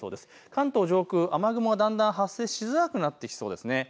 関東上空、雨雲がだんだん発生しづらくなってきそうです。